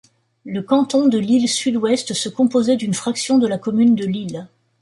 Le canton de Lille-Sud-Ouest se composait d’une fraction de la commune de Lille.